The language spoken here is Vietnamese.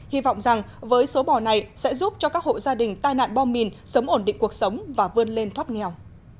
hy vọng rằng với số bò này sẽ giúp cho các hộ gia đình tai nạn bom mìn sớm ổn định cuộc sống và vươn lên thoát nghèo